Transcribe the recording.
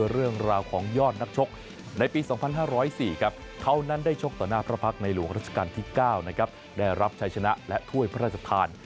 เรื่องราวของยอดนักชกในปี๒๕๐๔ครับเขานั้นได้ชกต่อหน้าพระพักษ์ในหลวงราชการที่๙นะครับได้รับชัยชนะและถ้วยพระราชทาน